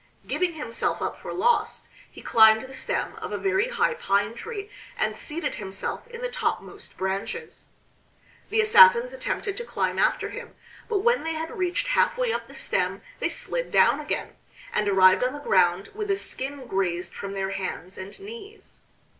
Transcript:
Giving himself up for lost he climbed the stem of a very high pine tree and seated himself in the topmost branches. The assassins attempted to climb after him, but when they had reached halfway up the stem they slid down again, and arrived on the ground with the skin grazed from their hands and knees.